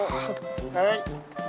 はい。